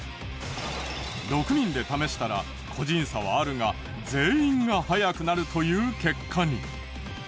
６人で試したら個人差はあるが全員が速くなるという結果に。